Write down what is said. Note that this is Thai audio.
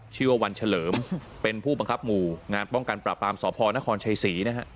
ชื่อว่าวันเฉลิมเป็นผู้บังคับหมู่งานป้องกันปราบปรามสพนครชัยศรีนะฮะ